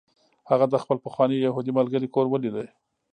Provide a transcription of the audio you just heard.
هغه د خپل پخواني یهودي ملګري کور ولید